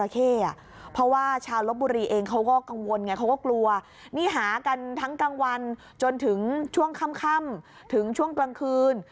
เขาก็กลัวนี่หากันทั้งกลางวันจนถึงช่วงค่ำถึงช่วงกลางคืน